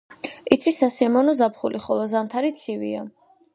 იცის სასიამოვნო ზაფხული, ხოლო ზამთარი ცივია.